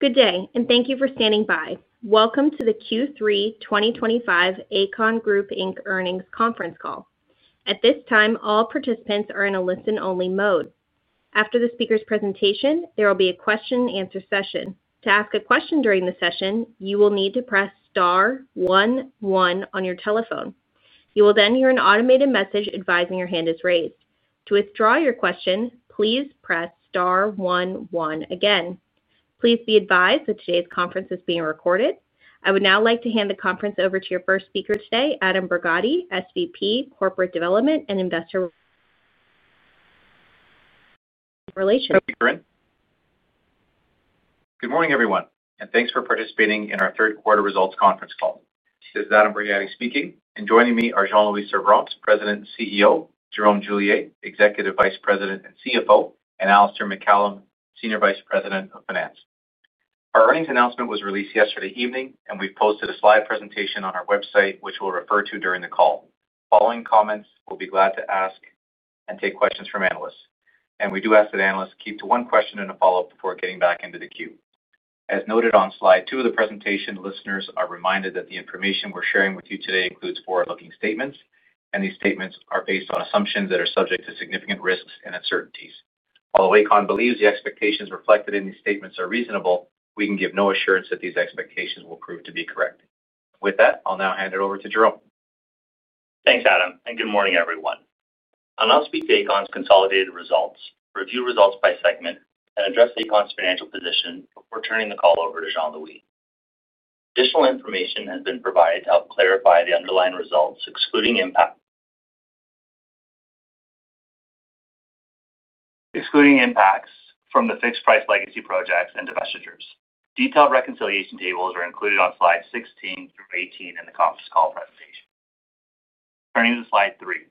Good day and thank you for standing by. Welcome to the Q3 2025 Aecon Group Inc Earnings Conference Call. At this time, all participants are in a listen-only mode. After the speaker's presentation, there will be a question and answer session. To ask a question during the session, you will need to press star one one on your telephone. You will then hear an automated message advising your hand is raised. To withdraw your question, please press star one one again. Please be advised that today's conference is being recorded. I would now like to hand the conference over to your first speaker today, Adam Borgatti, SVP, Corporate Development and Investor Relations. Thank you, Corinne. Good morning everyone and thanks for participating in our third quarter results conference call. This is Adam Borgatti speaking and joining me are Jean-Louis Servranckx, President and CEO, Jerome Julier, Executive Vice President and CFO, and Alistair MacCallum, Senior Vice President of Finance. Our earnings announcement was released yesterday evening and we've posted a slide presentation on our website which we'll refer to during the call. Following comments, we'll be glad to ask and take questions from analysts and we do ask that analysts keep to one question and a follow up before getting back into the queue. As noted on slide two of the presentation, listeners are reminded that the information we're sharing with you today includes forward-looking statements and these statements are based on assumptions that are subject to significant risks and uncertainties. Although Aecon Group Inc. believes the expectations reflected in these statements are reasonable, we can give no assurance that these expectations will prove to be correct. With that, I'll now hand it over to Jerome. Thanks Adam and good morning everyone. I'll now speak to Aecon's consolidated results, review results by segment, and address Aecon's financial position before turning the call over to Jean-Louis. Additional information has been provided to help clarify the underlying results excluding impacts from the fixed-price legacy projects and divestitures. Detailed reconciliation tables are included on slide 16 through 18 in the conference call presentation. Turning to slide three,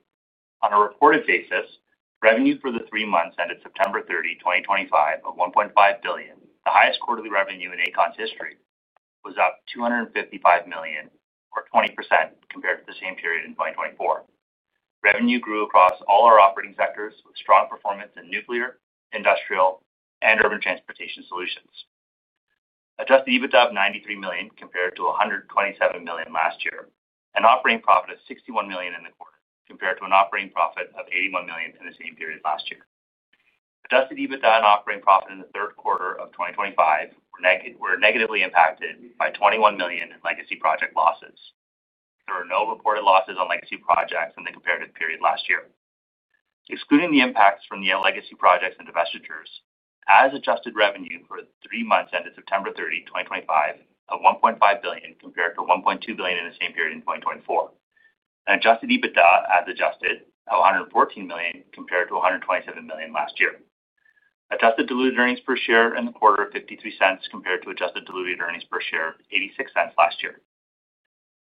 on a reported basis, revenue for the three months ended September 30, 2025, of $1.5 billion, the highest quarterly revenue in Aecon's history, was up $255 million or 20% compared to the same period in 2024. Revenue grew across all our operating sectors with strong performance in nuclear, industrial, and urban transportation solutions. Adjusted EBITDA of $93 million compared to $127 million last year. An operating profit of $61 million in the quarter compared to an operating profit of $81 million in the same period last year. Adjusted EBITDA and operating profit in the third quarter of 2025 were negatively impacted by $21 million in legacy project losses. There were no reported losses on legacy projects in the comparative period last year. Excluding the impacts from the legacy projects and divestitures, adjusted revenue for the three months ended September 30, 2025, of $1.5 billion compared to $1.2 billion in the same period in 2024. Adjusted EBITDA as adjusted of $114 million compared to $127 million last year. Adjusted diluted earnings per share in the quarter of $0.53 compared to adjusted diluted earnings per share $0.86 last year.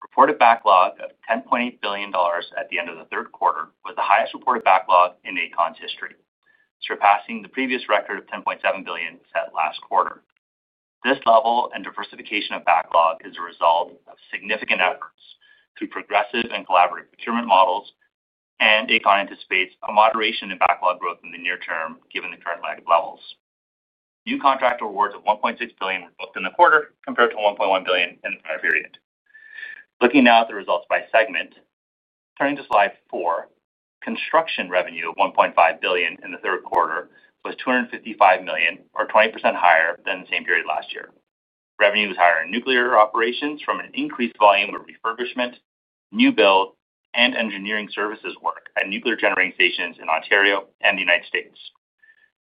Reported backlog of $10.8 billion at the end of the third quarter was the highest reported backlog in Aecon's history, surpassing the previous record of $10.7 billion set last quarter. This level and diversification of backlog is a result of significant efforts through progressive and collaborative procurement models and Aecon anticipates a moderation in backlog growth in the near term given the current lagged levels. New contract awards of $1.6 billion were booked in the quarter compared to $1.1 billion in the prior period. Looking now at the results by segment, turning to slide four, construction revenue of $1.5 billion in the third quarter was $255 million, or 20% higher than the same period last year. Revenue was higher in nuclear operations from an increased volume of refurbishment, new build and engineering services work at nuclear generating stations in Ontario and the United States.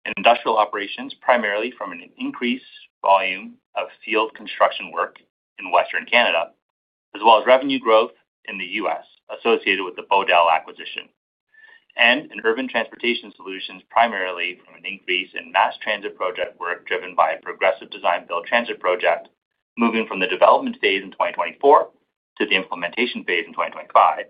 In industrial operations, primarily from an increased volume of field construction work in Western Canada as well as revenue growth in the United States associated with the Bodell Construction acquisition and in urban transportation solutions, primarily from an increase in mass transit project work driven by a progressive design build transit project moving from the development phase in 2024 to the implementation phase in 2025,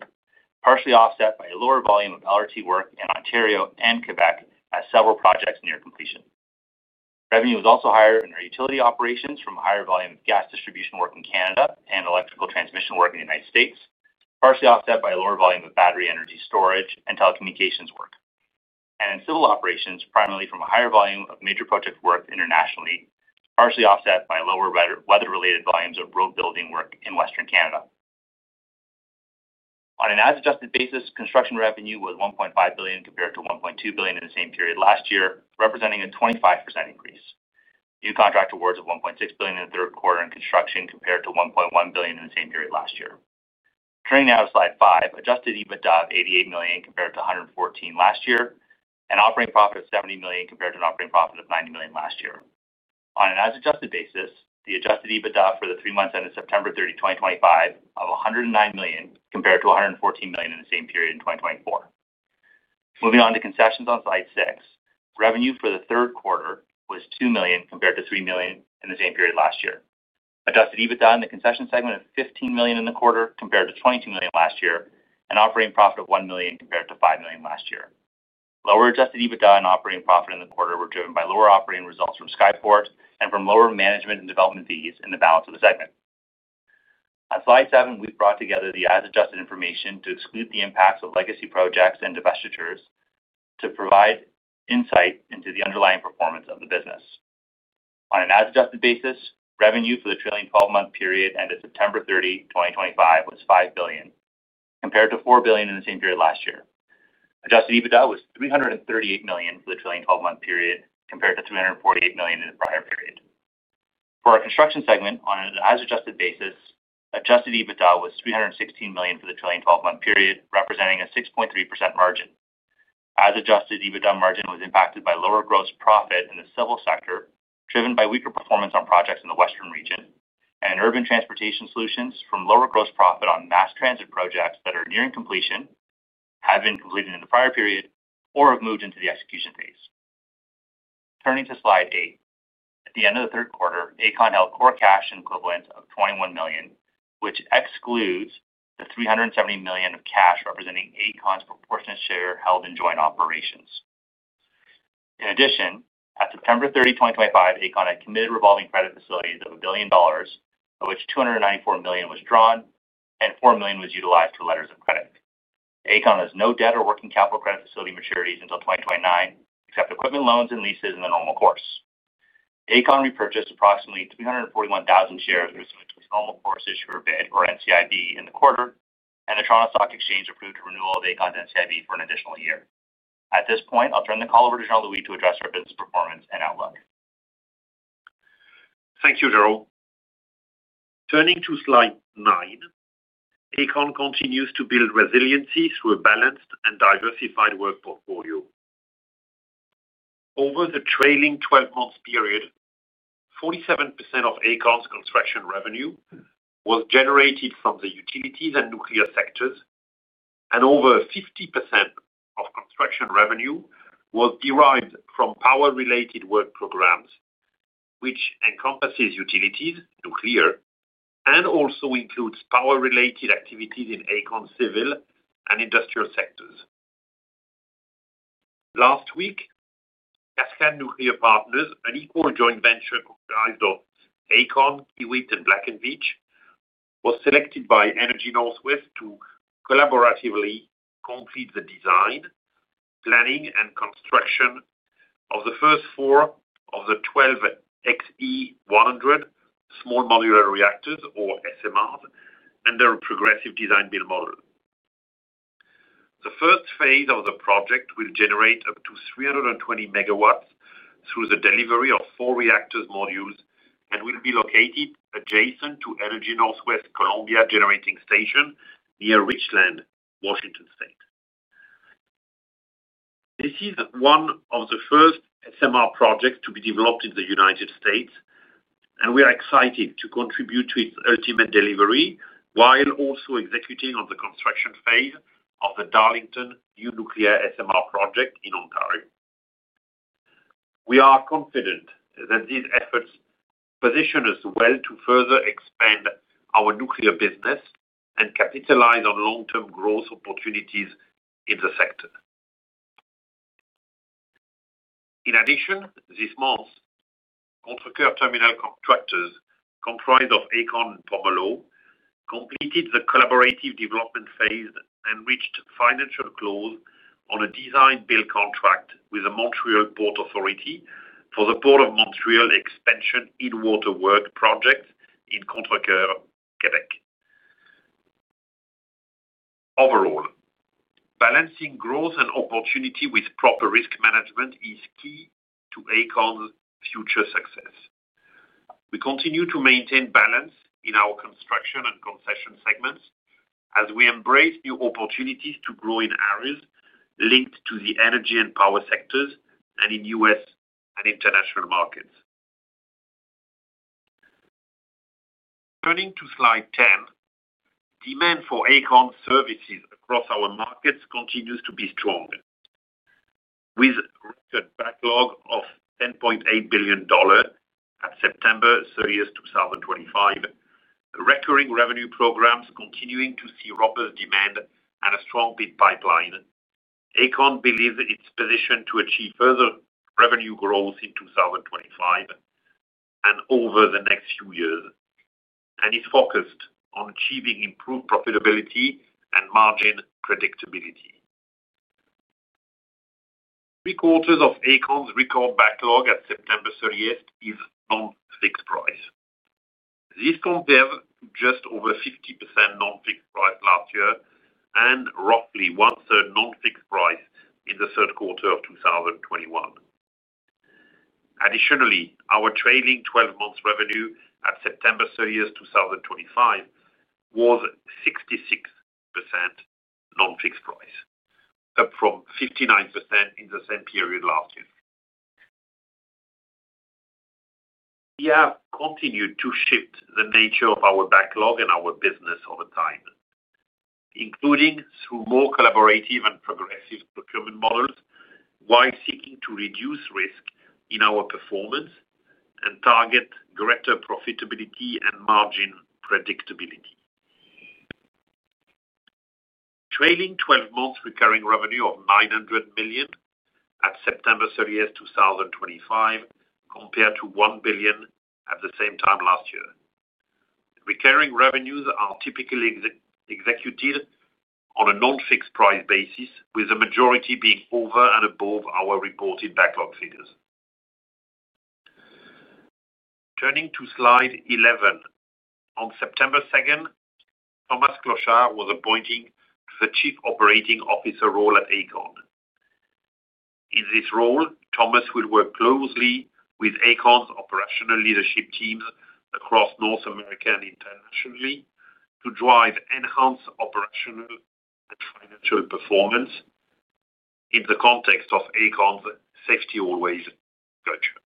partially offset by a lower volume of LRT work in Ontario and Quebec as several projects near completion. Revenue was also higher in our utility operations from a higher volume of gas distribution work in Canada and electrical transmission work in the United States, partially offset by a lower volume of battery energy storage and telecommunications work, and civil operations, primarily from a higher volume of major project work internationally, partially offset by lower weather-related volumes of road building work in Western Canada. On an as adjusted basis, construction revenue was $1.5 billion compared to $1.2 billion in the same period last year, representing a 25% increase. New contract awards of $1.6 billion in the third quarter in construction compared to $1.1 billion in the same period last year. Turning now to slide five, Adjusted EBITDA of $88 million compared to $114 million last year. Operating profit of $70 million compared to an operating profit of $90 million last year. On an as adjusted basis, the Adjusted EBITDA for the three months ended September 30, 2025, was $109 million compared to $114 million in the same period in 2024. Moving on to concessions on slide six, revenue for the third quarter was $2 million compared to $3 million in the same period last year. Adjusted EBITDA in the Concession segment is $15 million in the quarter compared to $22 million last year, an operating profit of $1 million compared to $5 million last year. Lower Adjusted EBITDA and operating profit in the quarter were driven by lower operating results from Skyport and from lower management and development fees in the balance of the segment. On slide seven, we've brought together the as adjusted information to exclude the impacts of legacy project losses and divestitures to provide insight into the underlying performance of the business. On an as adjusted basis, revenue for the trailing 12-month period ended September 30, 2025, was $5 billion compared to $4 billion in the same period last year. Adjusted EBITDA was $338 million for the trailing 12-month period compared to $348 million in the prior period for our Construction segment. On an as adjusted basis, Adjusted EBITDA was $316 million for the trailing 12-month period representing a 6.3% margin. As Adjusted EBITDA margin was impacted by lower gross profit in the civil sector. Driven by weaker performance on projects. The Western region and urban transportation solutions from lower gross profit on mass transit projects that are nearing completion, have been completed in the prior period or have moved into the execution phase. Turning to slide 8, at the end of the third quarter, Aecon held core cash equivalent of $21 million, which excludes the $370 million of cash representing Aecon's proportionate share held in joint operations. In addition, at September 30, 2023, Aecon had committed revolving credit facilities of $1 billion, of which $294 million was drawn and $4 million was utilized for letters of credit. Aecon has no debt or working capital credit facility maturities until 2029 except equipment loans and leases in the normal course. Aecon repurchased approximately 341,000 shares with the NCIB share repurchase program in the quarter and the Toronto Stock Exchange approved a renewal of Aecon's NCIB share repurchase program for an additional year. At this point, I'll turn the call over to Jean-Louis to address our business performance and outlook. Thank you, Jerome. Turning to slide nine, Aecon continues to build resiliency through a balanced and diversified work portfolio. Over the trailing 12-month period, 47% of Aecon's construction revenue was generated from the utilities and nuclear sectors, and over 50% of construction revenue was derived from power-related work programs, which encompasses utilities, nuclear, and also includes power-related activities in Aecon, civil, and industrial sectors. Last week, Cascade Nuclear Partners, an equal joint venture comprised of Aecon, Kiewit, and Black & Veatch, was selected by Energy Northwest to collaboratively complete the design, planning, and construction of the first four of the 12 Xe-100 small modular reactors, or SMRs, under a progressive design-build model. The first phase of the project will generate up to 320 megawatts through the delivery of four reactor modules and will be located adjacent to Energy Northwest's Columbia Generating Station near Richland, Washington State. This is one of the first SMR projects to be developed in the United States, and we are excited to contribute to its ultimate delivery while also executing on the construction phase of the Darlington New Nuclear SMR project in Ontario. We are confident that these efforts position us well to further expand our nuclear business and capitalize on long-term growth opportunities in the sector. In addition, this month, Contrecoeur Terminal contractors comprised of Aecon and Pomerleau completed the collaborative development phase and reached financial close on a design-build contract with the Montreal Port Authority for the Port of Montreal Expansion in Water Work project in Contrecoeur, Quebec. Overall, balancing growth and opportunity with proper risk management is key to Aecon's future success. We continue to maintain balance in our construction and concession segments as we embrace new opportunities to grow in areas linked to the energy and power sectors and in U.S. and international markets. Turning to slide 10, demand for Aecon services across our markets continues to be strong, with record backlog of $10.8 billion at September 30th, 2025, recurring revenue programs continuing to see robust demand, and a strong bid pipeline. Aecon believes it's positioned to achieve further revenue growth in 2025 and over the next few years and is focused on achieving improved profitability and margin predictability. Three-quarters of Aecon's record backlog at September 30th is non-fixed price. This compares to just over 50% non-fixed price last year and roughly 1/3 non-fixed price in the third quarter of 2021. Additionally, our trailing 12-month revenue at September 30, 2025 was 66% non-fixed price, up from 59% in the same period last year. We have continued to shift the nature of our backlog and our business over time, including through more collaborative and progressive procurement models, while seeking to reduce risk in our performance and target greater profitability and margin predictability. Trailing 12-month recurring revenue of $900 million at September 30th 2025 compared to $1 billion at the same time last year. Recurring revenues are typically executed on a non-fixed price basis, with the majority being over and above our reported backlog figures. Turning to slide 11, on September 2, Thomas Clochard was appointed to the Chief Operating Officer role at Aecon. In this role, Thomas will work closely with Aecon's operational leadership teams across North America and internationally to drive enhanced operational and financial performance in the context of Aecon's safety always culture.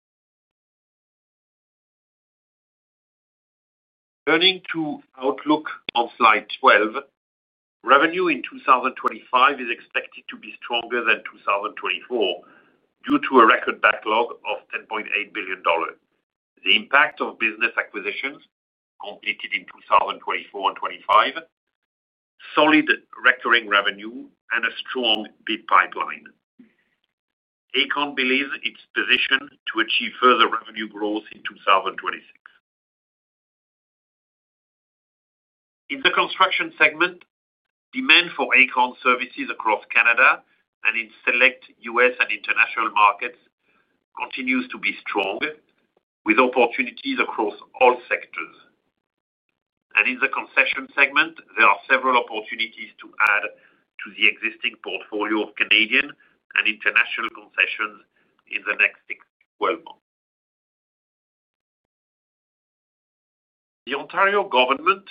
Turning to outlook on slide 12, revenue in 2025 is expected to be stronger than 2024 due to a record backlog of $10.8 billion, the impact of business acquisitions completed in 2024 and 2025, solid recurring revenue, and a strong bid pipeline. Aecon believes it's positioned to achieve further revenue growth in 2026. In the construction segment, demand for Aecon services across Canada and in select U.S. and international markets continues to be strong, with opportunities across all sectors, and in the concession segment, there are several opportunities to add to the existing portfolio of Canadian and international concessions in the next 6-12 months. The Ontario government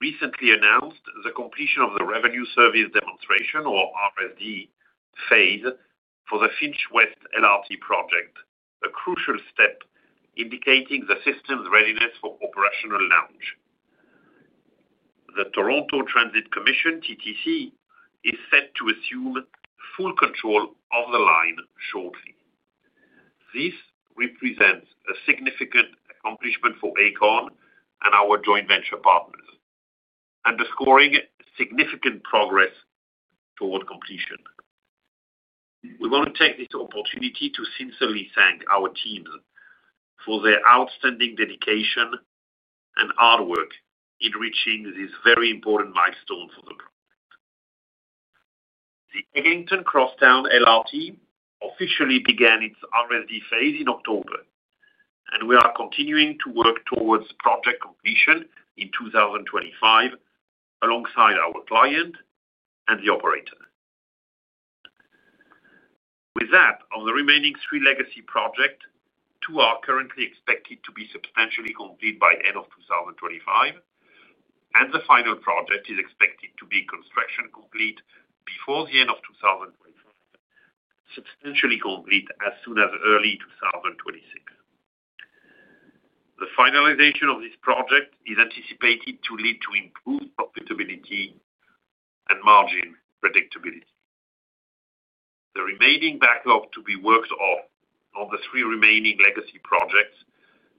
recently announced the completion of the revenue service demonstration, or RSD, phase for the Finch West LRT project, a crucial step indicating the system's readiness for operational launch. The Toronto Transit Commission, TTC, is set to assume full control of the line shortly. This represents a significant accomplishment for Aecon and our joint venture partners, underscoring significant progress toward completion. We want to take this opportunity to sincerely thank our teams for their outstanding dedication and hard work in reaching this very important milestone for the project. The Eglinton Crosstown LRT officially began its RSD phase in October, and we are continuing to work towards project completion in 2025 alongside our client and the operator. With that, of the remaining three legacy projects, two are currently expected to be substantially complete by end of 2025, and the final project is expected to be construction complete before the end of 2025, substantially complete as soon as early 2026. The finalization of this project is anticipated to lead to improved profitability and margin predictability. The remaining backlog to be worked off on the three remaining legacy projects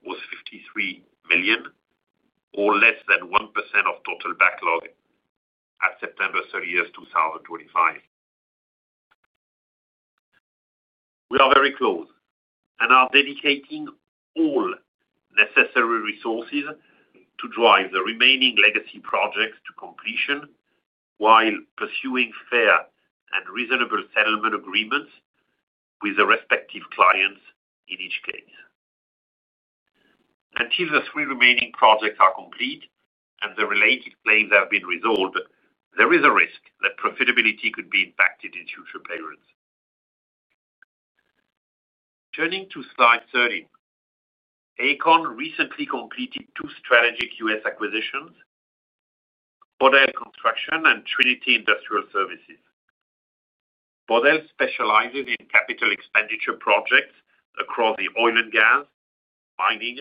was $53 million, or less than 1% of total backlog at September 30th, 2025. We are very close and are dedicating all necessary resources to drive the remaining legacy projects to completion while pursuing fair and reasonable settlement agreements with the respective clients in each case. Until the three remaining projects are complete and the related claims have been resolved, there is a risk that profitability could be impacted in future periods. Turning to slide 13, Aecon recently completed two strategic U.S. acquisitions, Bodell Construction and Trinity Industrial Services. Bodell specializes in capital expenditure projects across the oil and gas, mining,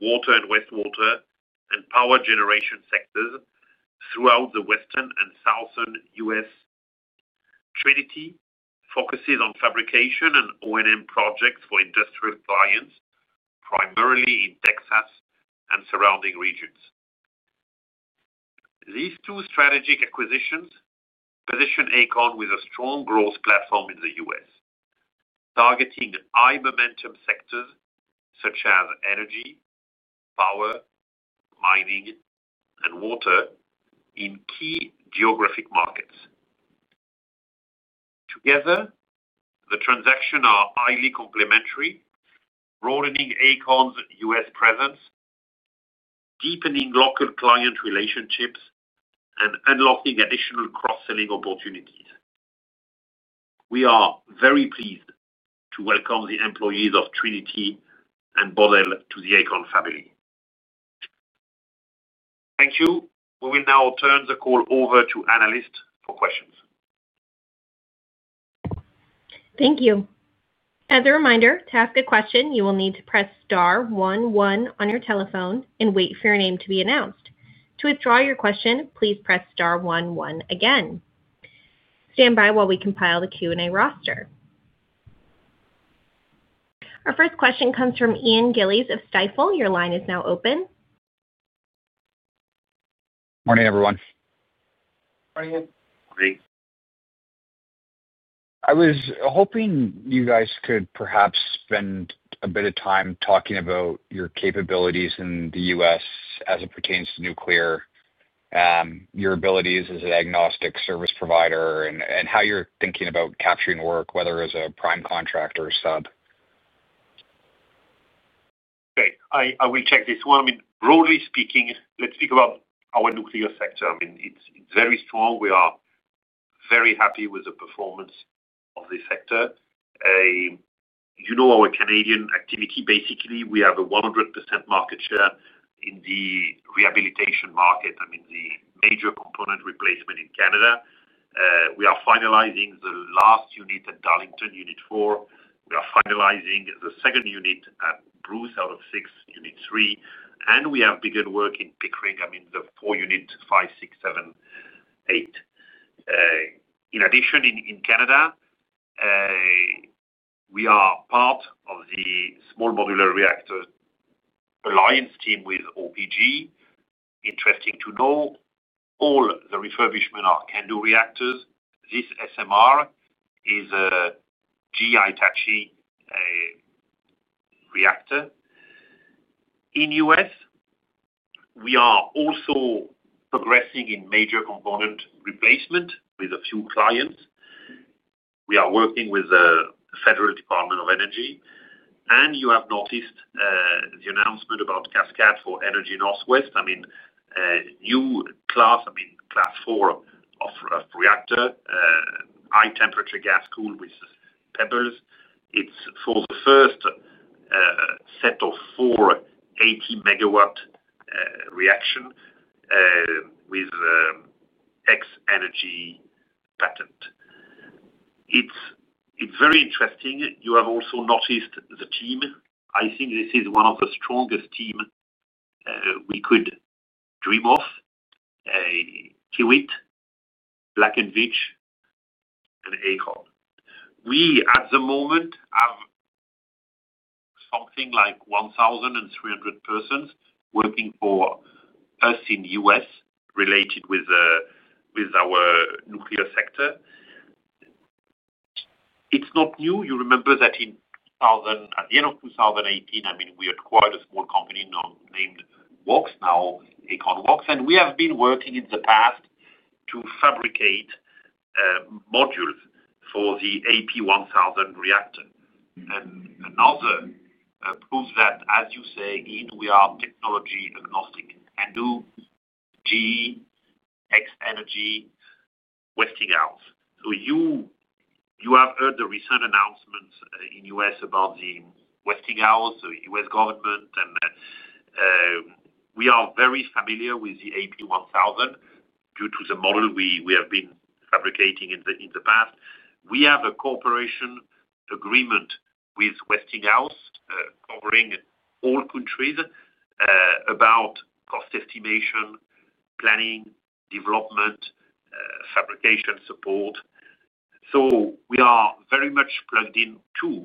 water and wastewater, and power generation sectors throughout the western and southern U.S. Trinity focuses on fabrication and O&M projects for industrial clients, primarily in Texas and surrounding regions. These two strategic acquisitions position Aecon with a strong growth platform in the U.S., targeting high momentum sectors such as energy, power, mining, and water in key geographic markets. Together, the transactions are highly complementary, broadening Aecon's U.S. presence, deepening local client relationships, and unlocking additional cross-selling opportunities. We are very pleased to welcome the employees of Trinity and Bodell to the Aecon family. Thank you. We will now turn the call over to analysts for questions. Thank you. As a reminder to ask a question, you will need to press star one one on your telephone and wait for your name to be announced. To withdraw your question, please press star one one again. Stand by while we compile the Q&A roster. Our first question comes from Ian Gillies of Stifel. Your line is now open. Morning everyone. I was hoping you guys could perhaps. Spend a bit of time talking about your capabilities in the U.S. as it pertains to nuclear, your abilities as an agnostic service provider, and how you're thinking about capturing work whether as a prime contractor or sub. Okay, I will check this one. I mean broadly speaking, let's speak about our nuclear sector. I mean it's very strong. We are very happy with the performance of this sector. You know our Canadian activity, basically we have a 100% market share in the rehabilitation market. I mean the major component replacement. In Canada we are finalizing the last unit at Darlington, Unit 4. We are finalizing the second unit at Bruce out of six, Unit 3, and we have begun work in Pickering, the four units 5, 6, 7, 8. In addition, in Canada we are part of the Small Modular Reactor alliance team with OPG. Interesting to know all the refurbishments are CANDU reactors. This SMR is a GE Hitachi reactor. In the U.S. we are also progressing in major component replacement with a few clients. We are working with the Federal Department of Energy, and you have noticed the announcement about Cascade for Energy Northwest. I mean new class, I mean class four of reactor, high temperature gas cooled with pebbles. It's for the first set of four 80 megawatt reactors with X-energy patent. It's very interesting. You have also noticed the team, I think this is one of the strongest teams we could dream of: Kiewit, Black & Veatch, and Aecon. We at the moment have something like 1,300 persons working for us in the U.S. related with our nuclear sector. It's not new. You remember that in 2018, I mean we acquired a small company named Vox, now Aecon Vox. We have been working in the past to fabricate modules for the AP1000 reactor. Another proof that, as you say, we are technology agnostic: And GE, Westinghouse. You have heard the recent announcements in the U.S. about Westinghouse, the U.S. government, and we are very familiar with the AP1000 due to the modules we have been fabricating in the past. We have a cooperation agreement with Westinghouse covering all countries about cost estimation, planning, development, fabrication support. We are very much plugged in too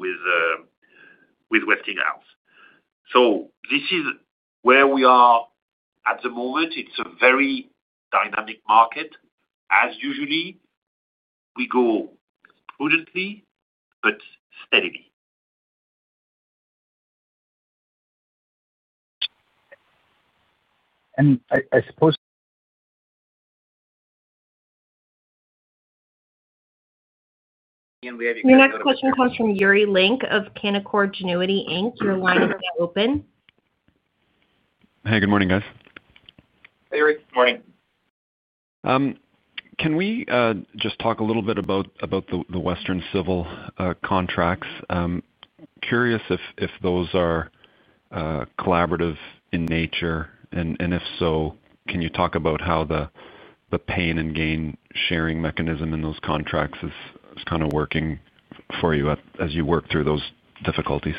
with Westinghouse. This is where we are at the moment. It's a very dynamic market. As usual, we go prudently but steadily. I suppose. Your next question comes from Yuri Lynk of Canaccord Genuity Inc. Your line is now open. Hey, good morning, guys. Hey, good morning. Can we just talk a little bit about the Western Civil contracts? Curious if those are collaborative in nature, and if so, can you talk about how the pain and gain sharing mechanism in those contracts is kind of working for you as you work through those difficulties?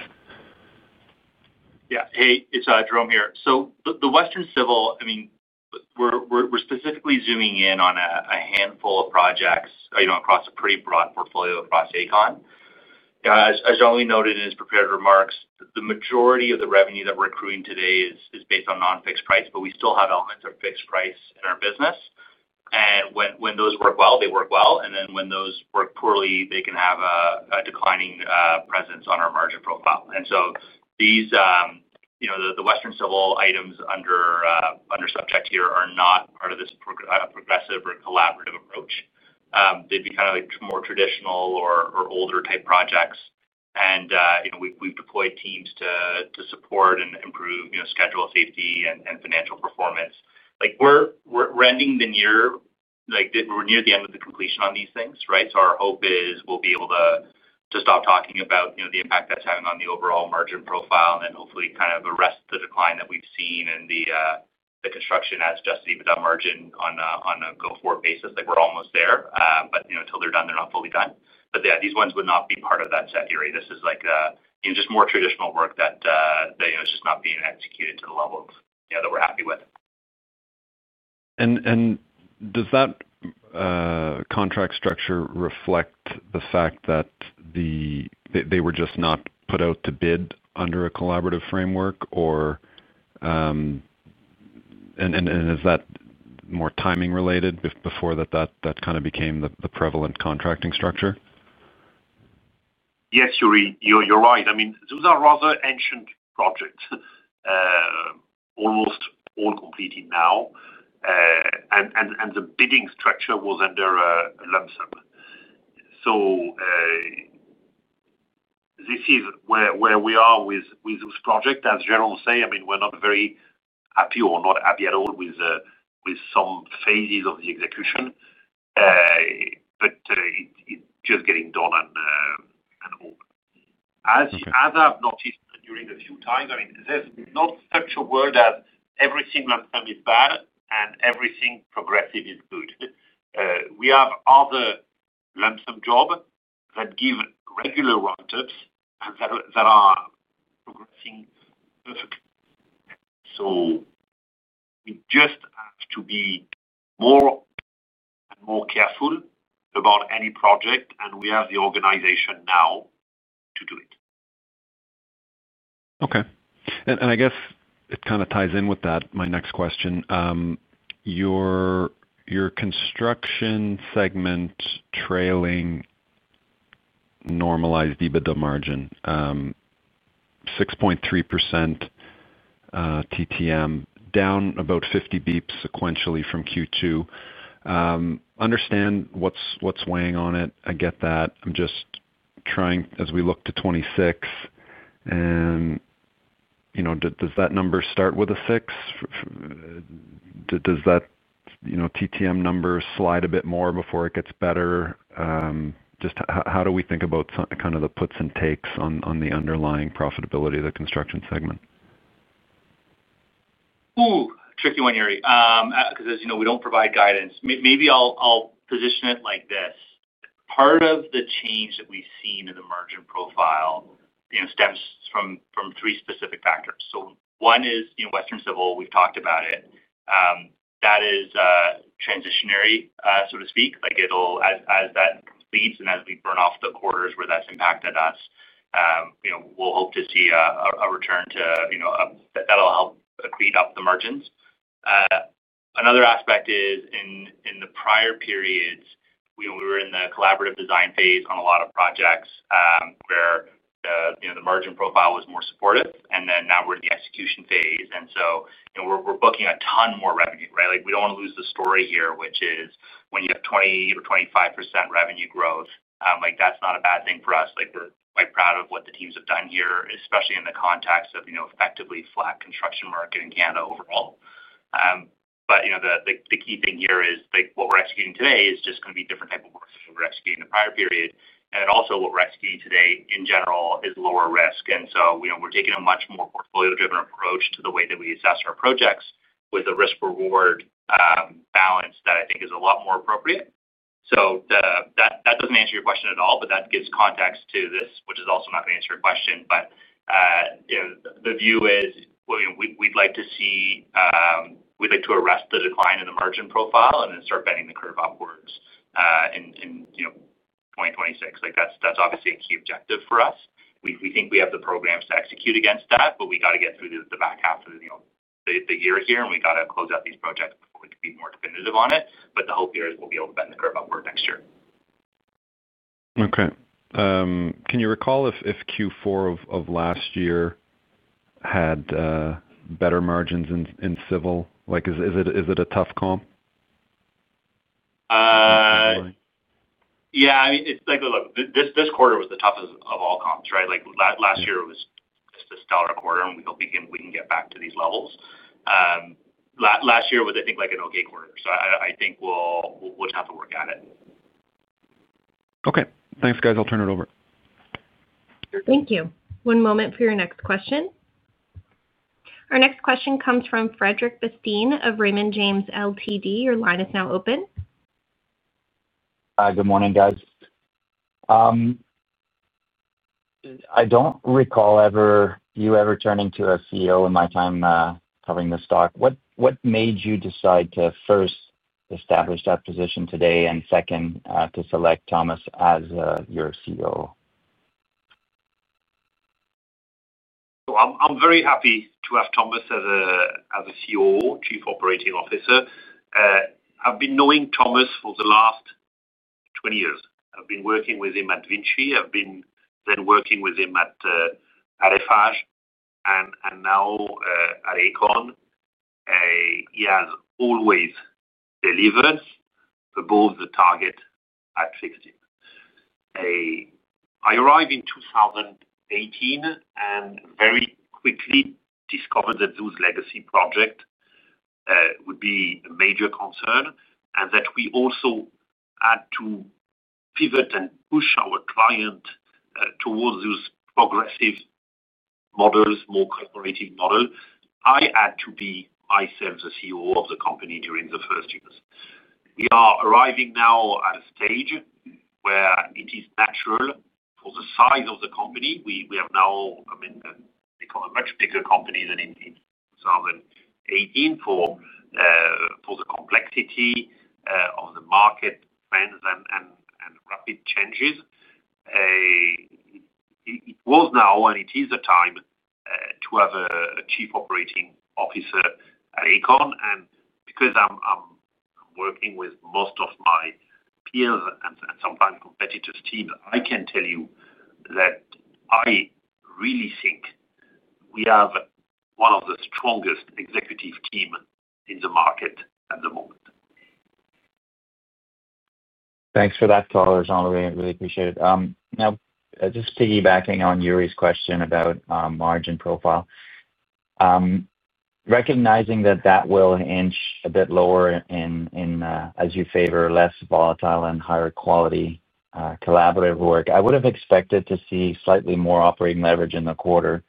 Yeah, hey, it's Jerome here. The Western Civil. I mean, we're specifically zooming in on a handful of projects across a pretty broad portfolio across Aecon. As Jean-Louis noted in his prepared remarks, the majority of the revenue that we're accruing today is based on non-fixed price. We still have elements of fixed price in our business, and when those work well, they work well. When those work poorly, they can have a declining presence on our margin profile. These, you know, the Western Civil items under subject here are not part of this progressive or collaborative approach. They'd be kind of like more traditional or older type projects. We've deployed teams to support and improve schedule, safety, and financial performance. We're near the end of the completion on these things. Our hope is we'll be able to stop talking about the impact that's having on the overall margin profile and hopefully kind of arrest the decline that we've seen in the construction Adjusted EBITDA margin on a go-forward basis. We're almost there, but until they're done, they're not fully done. These ones would not be part of that set era. This is just more traditional work that is just not being executed to the level that we're happy with. Does that contract structure reflect the fact that they were just not put out to bid under a collaborative framework, or is that more timing related before that kind of became the prevalent contracting structure? Yes, you're right. I mean those are rather ancient projects, almost all completed now, and the bidding structure was under lump sum. This is where we are with this project. As Jerome says, I mean we're not very happy or not happy at all with some phases of the execution, but it's just getting done. And. As I've noticed a few times, I mean there's not such a world as everything lump sum is bad and everything progressive is good. We have other lump sum jobs that give regular roundups that are progressing perfectly. We just have to be more and more careful about any project, and we have the organization now to do it. Okay. I guess it kind of ties in with that. My next question, your construction segment trailing normalized EBITDA margin 6.3% TTM, down about 50 basis points sequentially from Q2. Understand what's weighing on it. I get that. I'm just trying as we look to 2026. And. Does that number start with a 6? Does that TTM number slide a bit more before it gets better? Just how do we think about the puts and takes on the underlying profitability of the construction segment? Tricky one, Yuri, because as you know, we don't provide guidance. Maybe I'll position it like this. Part of the change that we've seen. The margin profile stems from three specific factors. One is Western civil. We've talked about it. That is transitionary, so to speak. As that completes and as we burn off the quarters where that's impacted us, we'll hope to see a return to that'll help accrete up the margins. Another aspect is in the prior periods we were in the collaborative design phase on a lot of projects where the margin profile was more supportive. Now we're in the execution phase and so we're booking a ton more revenue. Right. We don't want to lose the story here, which is when you have 20% or 25% revenue growth, that's not a bad thing for us. We're quite proud of what the teams have done here, especially in the context of an effectively flat construction market in Canada overall. The key thing here is what we're executing today is just. Going to be different type of work. In the prior period, what we're actually today in general is lower risk. We are taking a much more portfolio-driven approach to the way that we assess our projects with a risk-reward balance that I think is a lot more appropriate. That doesn't answer your question at all, but that gives context to this, which is also not going to answer your question. The view is we'd like to see, we'd like to arrest the decline in the margin profile and then start bending the curve upwards in 2026. That's obviously a key objective for us. We think we have the programs to execute against that. We have to get through the back half of the year here and we've got to close out these projects before we can be more definitive on it. The hope here is we'll be able to bend the curve upward next year. Okay, can you recall if Q4 of last year had better margins in civil? Like, is it a tough comp? Yeah, this quarter was the toughest of all comps. Last year was just a stellar quarter, and we hope we can get. Back to these levels. Last year was, I think, like an okay quarter. I think we'll have to work at it. Okay, thanks guys. I'll turn it over. Thank you. One moment for your next question. Our next question comes from Frederic Bastien of Raymond James Ltd. Your line is now open. Good morning, guys. I don't recall you ever turning to a CEO in my time covering the stock. What made you decide to first establish that position today, and second, to select Thomas as your CEO? I'm very happy to have Thomas as a COO, Chief Operating Officer. I've been knowing Thomas for the last 20 years. I've been working with him at Vinci. I've been then working with him at [EFHASH] and now at Aecon. He has always delivered above the target at Fixed It. I arrived in 2018 and very quickly discovered that those legacy projects would be a major concern and that we also had to pivot and push our client towards those progressive models, more collaborative model. I had to be myself, the CEO of the company during the first years. We are arriving now at a stage where it is natural for the size of the company. We have now become a much bigger company than in 2018. For the complexity of the market trends and rapid changes it was now and it is a time to have a Chief Operating Officer at Aecon. Because I'm working with most of my peers and sometimes competitors team, I can tell you that I really think we have one of the strongest executive team in the market at the moment. Thanks for that caller. Jean-Louis, I really appreciate it. Now just piggybacking on Yuri's question about margin profile, recognizing that that will inch a bit lower as you favor less. Volatile and higher-quality collaborative work. I would have expected to see slightly more operating leverage in the quarter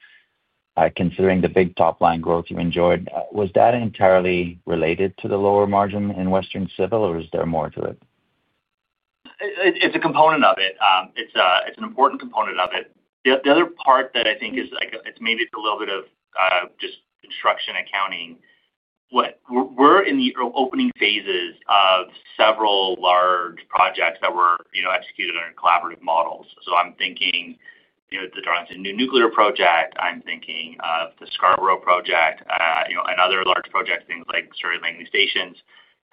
considering the big top line growth you enjoyed. Was that entirely related to the lower margin in Western Civil or is there more to it? It's a component of it. It's an important component of it. The other part that I think is maybe it's a little bit of just construction accounting. We're in the opening phases of several large projects that were executed under collaborative procurement models. I'm thinking the Darlington New Nuclear project. I'm thinking of the Scarborough project and other large projects, things like structure or landing stations.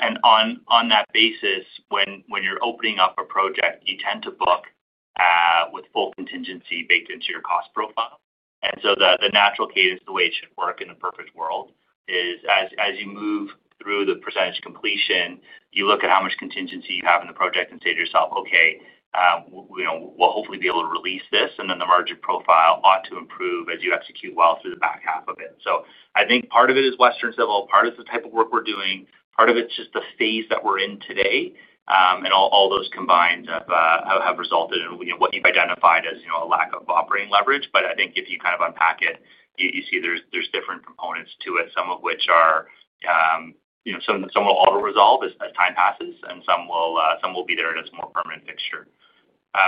On that basis, when you're opening up a project, you tend to book with full contingency baked into your cost profile. The natural cadence, the way it should work in a perfect world, is as you move through the percentage completion, you look at how much contingency you have in the project and say to yourself, okay, we'll hopefully be able to release this. The margin profile ought to improve as you execute well through the. Back half of the year, so I think. Part of it is Western Civil, part of the type of work we're doing, part of it's just the phase that we're in today. All those combined have resulted in what you've identified as a lack of operating leverage. I think if you kind of unpack it, you see there's different components to it, some of which will auto resolve as time passes and some will be there in a more permanent fixture.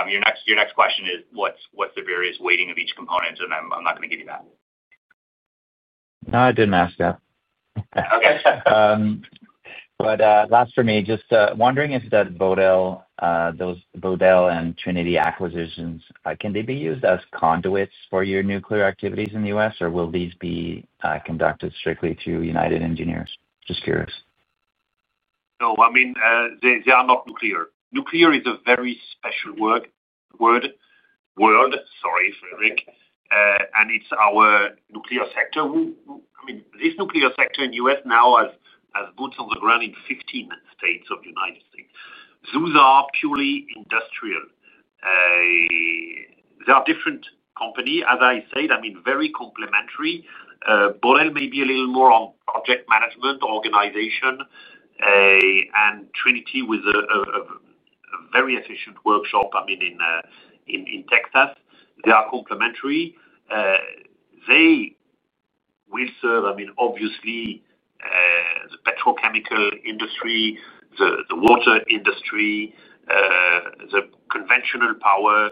Your next question is what's the various weighting of each component? I'm not going to give you that. No, I didn't ask that. Last for me, just wondering if those Bodell and Trinity acquisitions, can they be used as conduits for your nuclear activities in the U.S. or will these be conducted strictly through United Engineers? Just curious. No, I mean they are not nuclear. Nuclear is a very special work world. Sorry, Frederic. It's our nuclear sector. I mean this nuclear sector in the U.S. now has boots on the ground in 15 states of the United States. Those are purely industrial. They are different company, as I said. I mean very complementary. Bodell may be a little more on project management organization and Trinity with very efficient workshop. I mean in Texas they are complementary. They will serve, I mean obviously the petrochemical industry, the water industry, the conventional power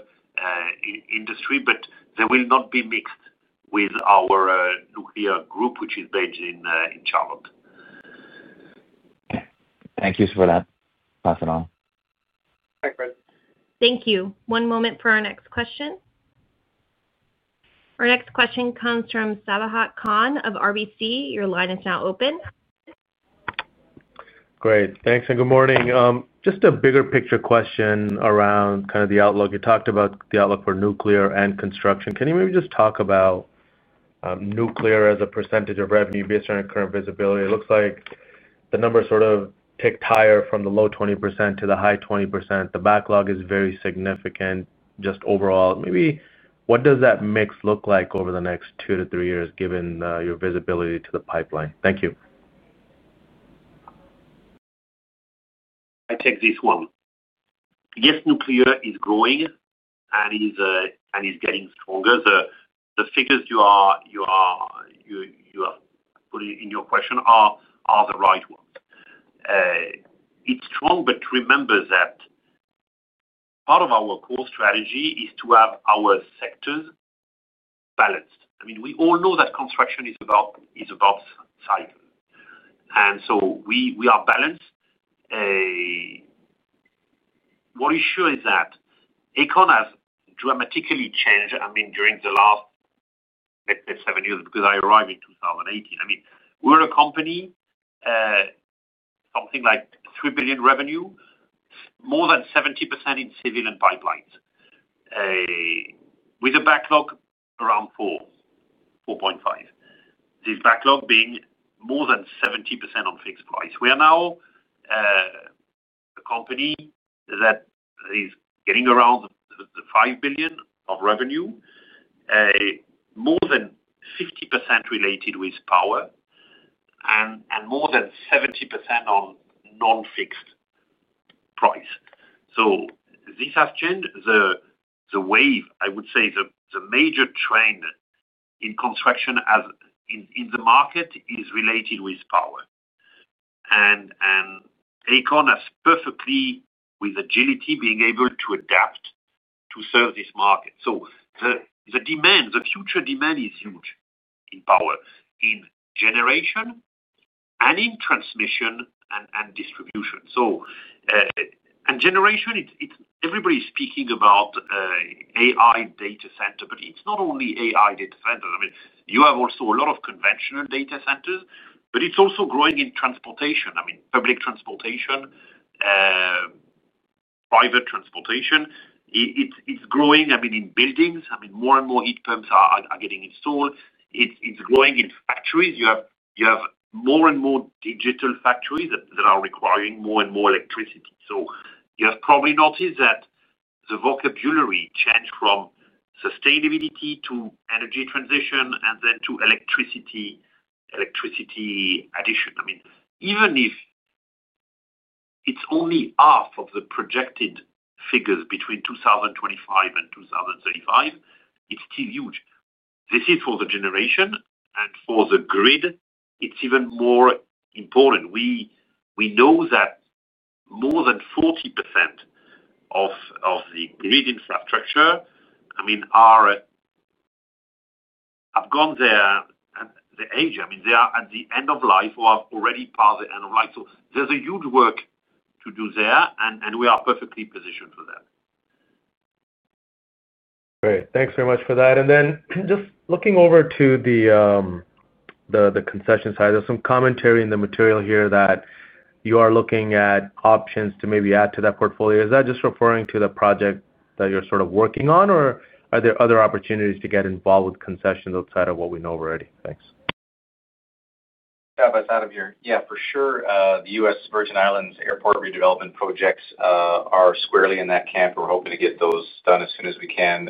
industry. They will not be mixed with our nuclear group which is based in Charlotte. Thank you for that. Pass it on. Thank you. One moment for our next question. Our next question comes from Sabahat Khan of RBC. Your line is now open. Great, thanks and good morning. Just a bigger picture question around the outlook. You talked about the outlook for nuclear and construction. Can you maybe just talk about nuclear as a percentage of revenue? Based on your current visibility, it looks like the numbers sort of ticked higher from the low 20% to the high 20%. The backlog is very significant. Just overall, maybe what does that mix look like over the next two to three years given your visibility to the pipeline? Thank you. I take this one. Yes, nuclear is growing and is getting stronger. The figures you are putting in your question are the right ones. It's strong. Remember that part of our core strategy is to have our sectors balanced. I mean we all know that construction is about cycle and we are balanced. What is sure is that Aecon has dramatically changed, I mean during the last, let's say, seven years because I arrived in 2018. I mean we were a company with something like $3 billion revenue, more than 70% in civil pipelines with a backlog around $4.4 billion-$4.5 billion. This backlog being more than 70% on fixed price. We are now a company that is getting around $5 billion of revenue, more than 50% related with power and more than 70% on non-fixed price. This has changed the wave. I would say the major trend in construction in the market is related with power. Aecon has perfectly, with agility, been able to adapt to serve this market. The demand, the future demand, is huge in power in generation and in transmission and distribution. In generation, everybody's speaking about AI data centers, but it's not only AI data centers. You have also a lot of conventional data centers. It's also growing in transportation, I mean public transportation, private transportation. It's growing in buildings, more and more heat pumps are getting installed. It's growing in factories; you have more and more digital factories that are requiring more and more electricity. You have probably noticed that the vocabulary changed from sustainability to energy transition and then to electricity addition. Even if it's only half of the projected figures between 2025 and 2035, it's still huge. This is for the generation and for the grid, it's even more important. We know that more than 40% of the grid infrastructure, I mean, have gone there the age, I mean, they are at the end of life or already past the end of life. There's a huge work to do there and we are perfectly positioned for that. Great, thanks very much for that. Just looking over to the concession side, there's some commentary in the material here that you are looking at options to maybe add to that portfolio. Is that just referring to the project that you're sort of working on, or are there other opportunities to get involved with concessions outside of what we know already? Thanks. Adam. Here. Yeah, for sure. The U.S. Virgin Islands Airport redevelopment projects are squarely in that camp, and we're hoping to get those done as soon as we can.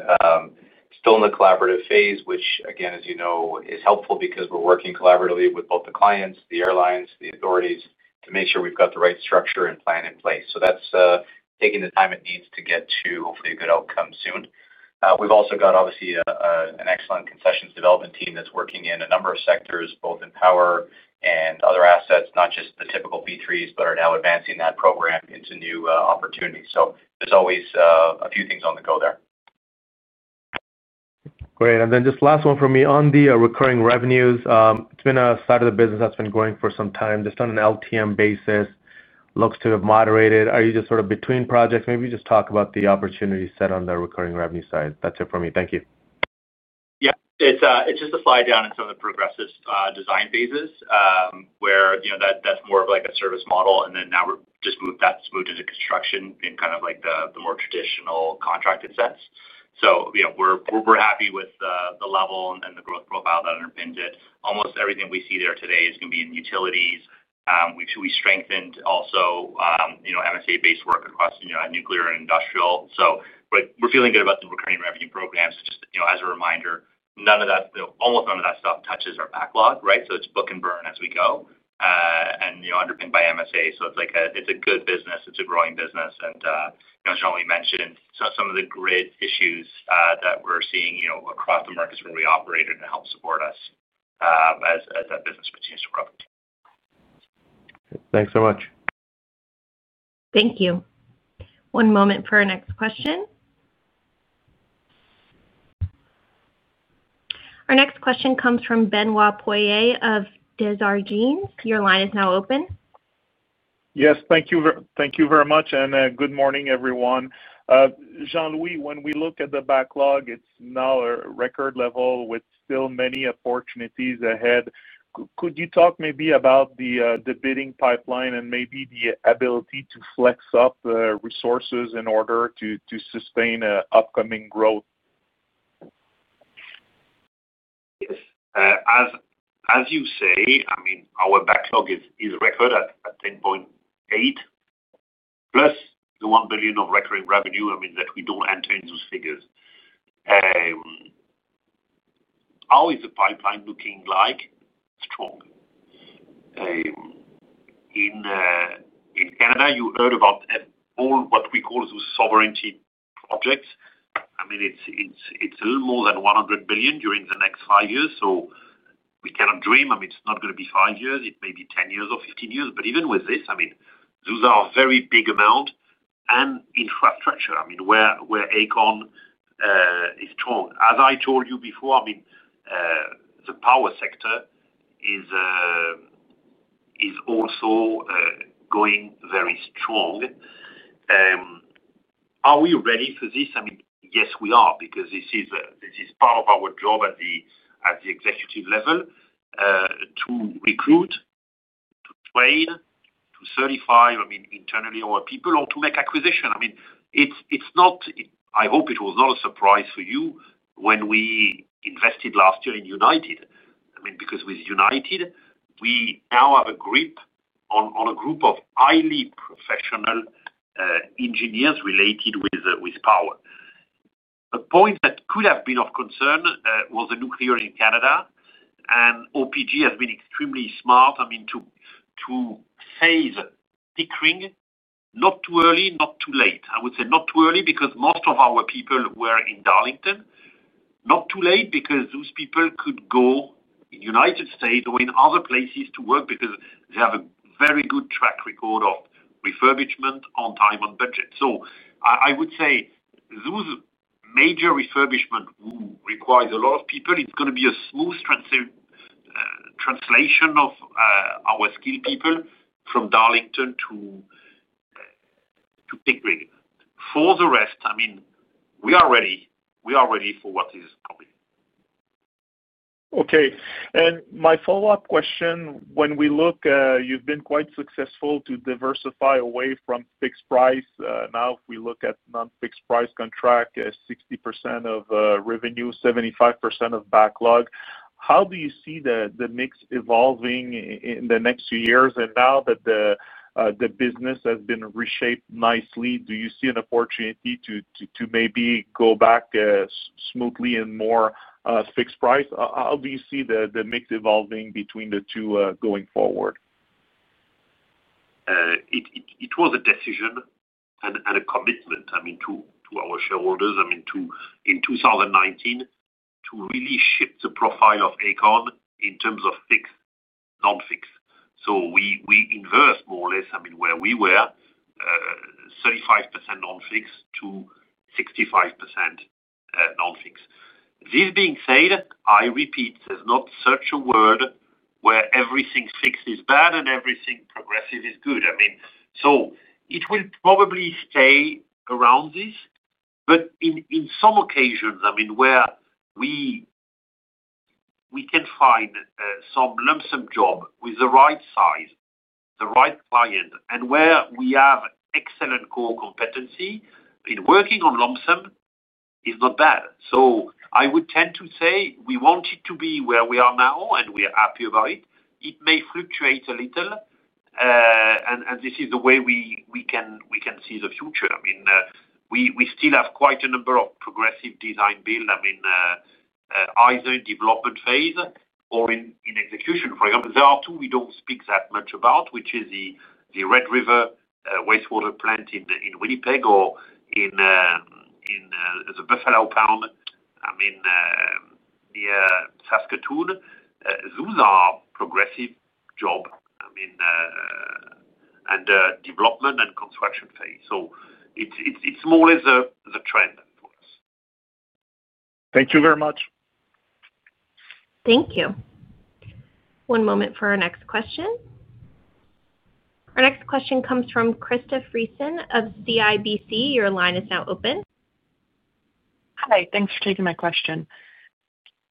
Still in the collaborative phase, which again, as you know, is helpful because we're working collaboratively with both the clients, the airlines, the authorities to make sure we've got the right structure and plan in place. That's taking the time it needs to get to hopefully a good outcome soon. We've also got, obviously, an excellent concessions development team that's working in a number of sectors, both in power and other assets, not just the typical B3s, but are now advancing that program into new opportunities. There's always a few things on the go there. Great. Just last one for me on the recurring revenues, it's been a side of the business that's been growing for some time just on an LTM basis. Looks to have moderated. Are you just sort of between projects? Maybe just talk about the opportunity set on the recurring revenue side. That's it for me. Thank you. Yeah, it's just a slide down in some of the progressive design phases where that's more of like a service model. Now we're just moved into construction in kind of like the more traditional contracted sense. We're happy with the level and the growth profile that underpins it. Almost everything we see there today is going to be in utilities. We strengthened also MSA-based work across nuclear and industrial. We're feeling good about the recurring revenue programs. Just as a reminder, almost none of that stuff touches our backlog, so it's book and burn as we go and underpinned by MSA. It's a good business, it's a growing business, and mentioned some of the grid issues that we're seeing across the markets where we operate and help support us as that business continues to grow. Thanks so much. Thank you. One moment for our next question. Our next question comes from Benoit Poirier of Desjardins. Your line is now open. Yes, thank you very much and good morning everyone. Jean-Louis, when we look at the backlog, it's now a record level with still many opportunities ahead. Could you talk maybe about the bidding pipeline and maybe the ability to flex up resources in order to sustain upcoming growth? Yes, as you say, I mean our backlog is record at $10.8 billion plus the $1 billion of recurring revenue. I mean that we don't enter in those figures. How is the pipeline looking like? Strong. In Canada you heard about all what we call those sovereignty projects. I mean it's a little more than $100 billion during the next five years. We cannot dream. It's not going to be five years. It may be 10 years or 15 years. Even with this, those are very big amounts and infrastructure, where Aecon is strong, as I told you before, the power sector is also going very strong. Are we ready for this? Yes, we are because this is part of our job at the executive level to recruit, to train, to certify internally our people or to make acquisition. It's not, I hope it was not a surprise for you when we invested last year in United. With United we now have a grip on a group of highly professional engineers related with power. A point that could have been of concern was nuclear in Canada. OPG has been extremely smart to phase Pickering. Not too early, not too late. Not too early because most of our people were in Darlington. Not too late because those people could go in United States or in other places to work because they have a very good track record of refurbishment on time and budget. Those major refurbishments require a lot of people. It's going to be a smooth translation of our skilled people from Darlington to Pickering. For the rest, we are ready. We are ready for what is coming. Okay, and my follow up question, when we look, you've been quite successful to diversify away from fixed-price. Now if we look at non-fixed price contract, 60% of revenue, 75% of backlog, how do you see the mix. Evolving in the next few years. Now that the business has been reshaped nicely, do you see an opportunity to maybe go back smoothly and more fixed price? How do you see the mix evolving between the two going forward? It was a decision and a commitment, I mean to our shareholders in 2019 to really shift the profile of Aecon in terms of fixed, non-fixed. We inverse more or less. I mean, where we were 35% on fixed to 65% non-fixed. This being said, I repeat, there's not such a word where everything fixed is bad and everything progressive is good. It will probably stay around this, but in some occasions where we can find some lump sum job with the right size, the right client, and where we have excellent core competency in working on lump sum is not bad. I would tend to say we want it to be where we are now and we are happy about it. It may fluctuate a little and this is the way we can see the future. We still have quite a number of progressive design build, either in development phase or in execution. For example, there are two we don't speak that much about, which is the Red River Wastewater Plant in Winnipeg or in the Buffalo Pound near Saskatoon. Those are progressive job and development and construction. It's more or less the trend for us. Thank you very much. Thank you. One moment for our next question. Our next question comes from Krista Friesen of CIBC. Your line is now open. Hi, thanks for taking my question.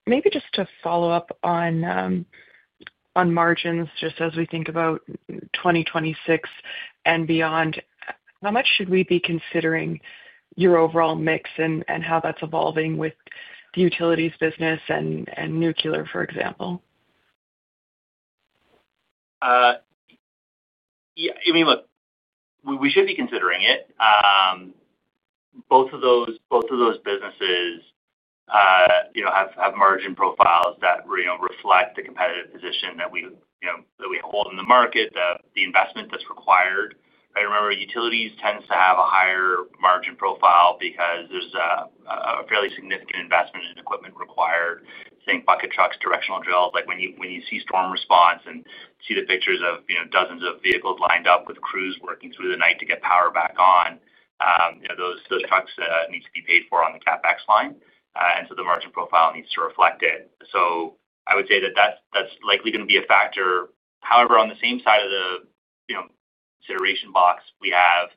Maybe just to follow up on margins, just as we think about 2026 and beyond, how much should we be considering your overall mix and how that's evolving with the utilities business and nuclear, for example? I mean, we should be considering it. Both of those businesses. Have margin profiles that reflect the competitive position that we hold in the market. The investment that's required, remember utilities tends to have a higher margin profile because there's a fairly significant investment in equipment required. Think bucket trucks, directional drills. When you see storm response and see the pictures of dozens of vehicles lined up with crews working through the night to get power back on, those trucks need to be paid for on the CapEx line, and the margin profile needs to reflect it. I would say that that's likely going to be a factor. However, on the same side of the consideration box, we have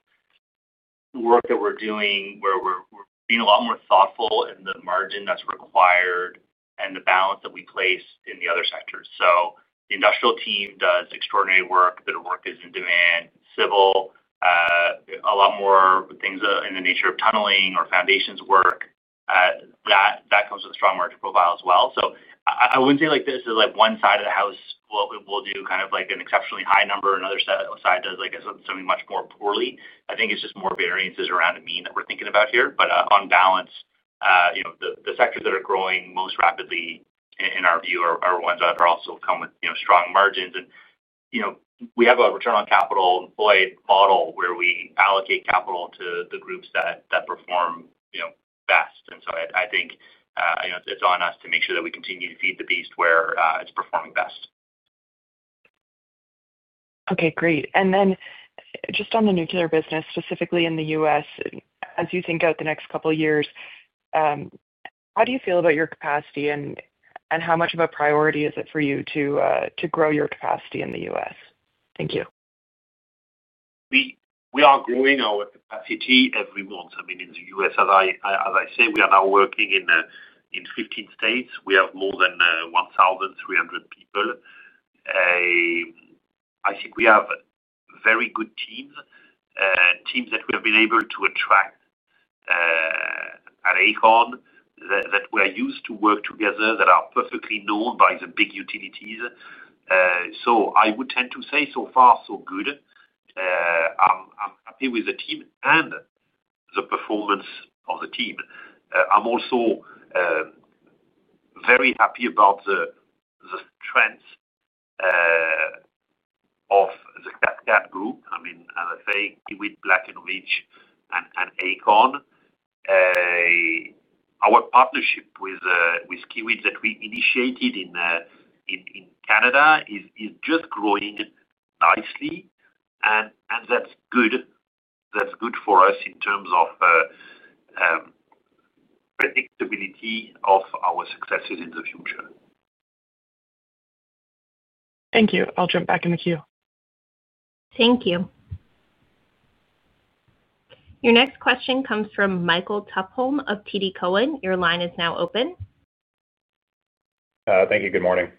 work that we're doing where we're being a lot more thoughtful in the margin that's required and the balance that we place in the other sectors. The industrial team does extraordinary work. Their work is in demand, civil. A lot more things in the nature of tunneling or foundations work that comes with a strong margin profile as well. I wouldn't say this is one side of the house will do kind of an exceptionally high number, another side does something much more poorly. I think it's just more variances around a mean that we're thinking about here. On balance, the sectors that are growing most rapidly in our view are ones that also come with strong margins. We have a return on capital employed model where we allocate capital to the groups that perform, and I think it's on us to make sure that we continue to feed the beast where it's performing best. Okay, great. On the nuclear business, specifically in the U.S., as you think out the next couple years, how do you feel about your capacity, and how much of a priority is it for you to grow your capacity in the U.S.? Thank you. We are growing our capacity every month. I mean in the U.S., as I say, we are now working in 15 states. We have more than 1,300 people. I think we have very good teams, teams that we have been able to. Attract. At Aecon that we are used to work together that are perfectly known by the big utilities. I would tend to say so far so good. I'm happy with the team and the performance of the team. I'm also very happy about the strength of the Cascade group. I mean, as I say, Kiewit, Black & Veatch, and Aecon, our partnership with Kiewit that we initiated in Canada is just growing nicely and that's good for us in terms of predictability of our successes in the future. Thank you. I'll jump back in the queue. Thank you. Your next question comes from Michael Tupholme of TD Cowen. Your line is now open. Thank you. Good morning.